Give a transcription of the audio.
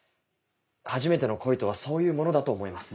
初めての恋とはそういうものだと思います。